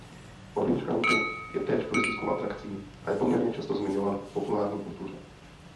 Orange County je též turistickou atrakcí a je poměrně často zmiňován v populární kultuře.